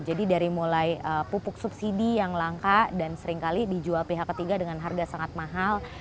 jadi dari mulai pupuk subsidi yang langka dan seringkali dijual pihak ketiga dengan harga sangat mahal